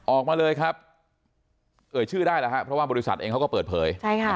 ออกมาเลยครับเกิดชื่อได้เลยเพราะว่าบริษัทเองเขาเปิดเผย